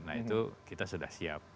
nah itu kita sudah siap